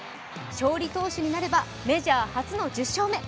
勝利投手になればメジャー初の１０勝目。